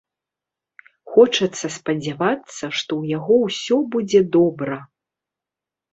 Хочацца спадзявацца, што ў яго ўсё будзе добра.